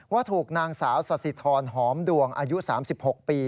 ว่าถูกนางสาวสสิทรหอมดวงอายุ๓๖ปี